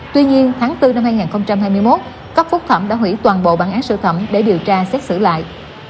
tuy nhiên tháng bốn năm hai nghìn hai mươi một cấp phúc thẩm đã hủy toàn bộ bản án sơ thẩm để điều tra xét xử lại